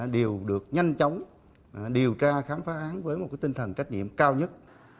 đều được nhanh chóng điều tra khám phá án với một tinh thần trách nhiệm cao nhất